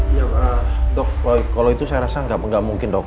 iya dok kalau itu saya rasa nggak mungkin dok